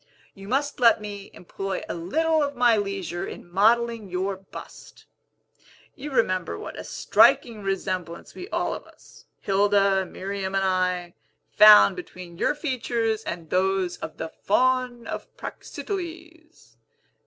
You must let me employ a little of my leisure in modelling your bust. You remember what a striking resemblance we all of us Hilda, Miriam, and I found between your features and those of the Faun of Praxiteles.